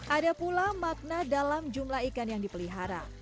ada pula makna dalam jumlah ikan yang dipelihara